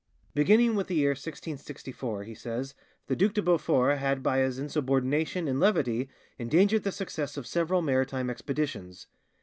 "Beginning with the year 1664.," he says, "the Duc de Beaufort had by his insubordination and levity endangered the success of several maritime expeditions.